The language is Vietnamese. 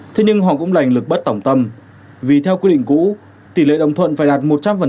thế nhưng họ cũng lành lực bất tổng tâm vì theo quy định cũ tỷ lệ đồng thuận phải đạt một trăm linh